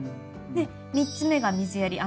で３つ目が水やり。